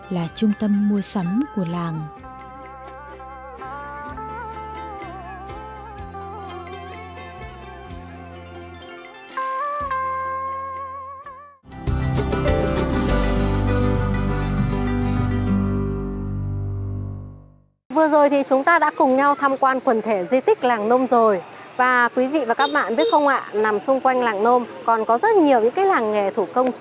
là trung tâm mua sắm của làng